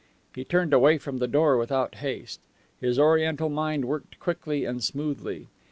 He turned away from the door without haste. His Oriental mind worked quickly and smoothly.